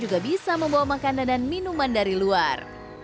juga bisa membawa makanan dan minuman dari luar